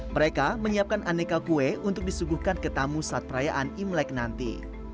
mereka menyiapkan aneka kue untuk disuguhkan ke tamu saat perayaan imlek nanti